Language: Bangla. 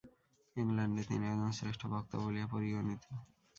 ইংলণ্ডে তিনি একজন শ্রেষ্ঠ বক্তা বলিয়া পরিগণিত।